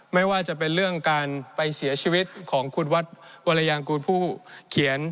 ไม่ว่าจะเป็นเรื่องการไปเสียชีวิตของคุณวัดวรยางกูลผู้เขียน